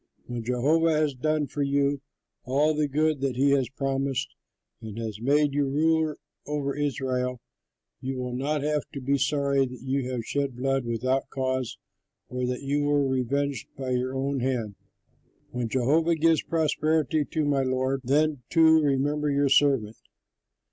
When Jehovah has done for you all the good that he has promised and has made you ruler over Israel, you will not have to be sorry that you shed blood without cause or that you were revenged by your own hand. When Jehovah gives prosperity to my lord, then too remember your servant."